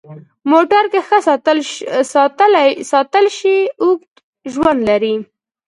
موټر که ښه ساتل شي، اوږد ژوند لري.